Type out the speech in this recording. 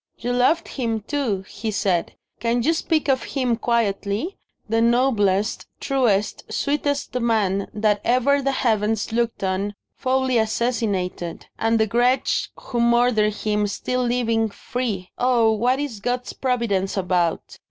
"You loved him too!" he said. "Can you speak of him quietly? The noblest, truest, sweetest man that ever the Heavens looked on, foully assassinated. And the wretch who murdered him still living, free oh, what is God's providence about?